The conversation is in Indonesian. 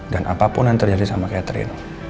apapun yang terjadi sama catherine